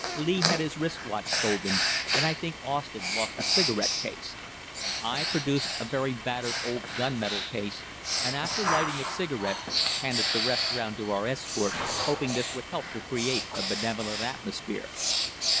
Lee had his wrist watch stolen, and I think Austin lost a cigarette case. I produced a very battered old gun metal case, and after lighting a cigarette handed the rest round to our escort, hoping this would help to create a benevolent atmosphere.